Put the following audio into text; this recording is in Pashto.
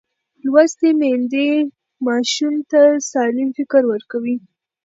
لوستې میندې ماشوم ته سالم فکر ورکوي.